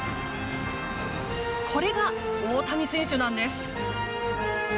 これが大谷選手なんです。